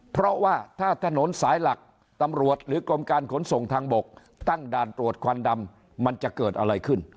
เพราะว่าถ้าถนนสายหลักตำรวจหรือกรมการขนส่งทางบกตั้งด่านตรวจควันดำมันจะเกิดอะไรขึ้น